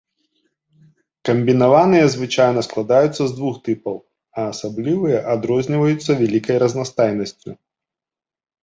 Камбінаваныя звычайна складаюцца з двух тыпаў, а асаблівыя адрозніваюцца вялікай разнастайнасцю.